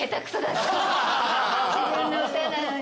自分の歌なのに。